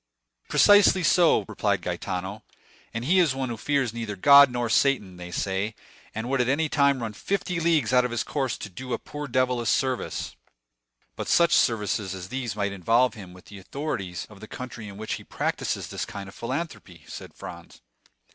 "Precisely so," replied Gaetano. "Ah, he is one who fears neither God nor Satan, they say, and would at any time run fifty leagues out of his course to do a poor devil a service." 20093m "But such services as these might involve him with the authorities of the country in which he practices this kind of philanthropy," said Franz.